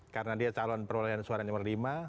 karena dia calon perolehan suara nomor lima